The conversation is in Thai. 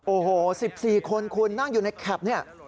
โอ้โห๑๔คนคุณนั่งอยู่ในแคปเนี่ย